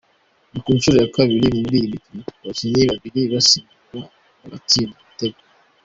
Ni ku nshuro ya kabiri muri iyi mikino, abakinnyi babiri basimbura bagatsinda ibitego.